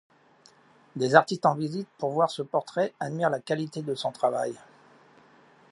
Des artistes en visite pour voir ce portrait admirent la qualité de son travail.